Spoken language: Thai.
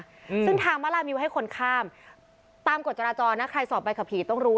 อืมซึ่งทางมาลามิวให้คนข้ามตามกฎจราจรนะใครสอบใบขับขี่ต้องรู้